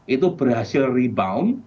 itu berhasil rebound